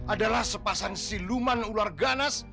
adalah sepasang siluman ular ganas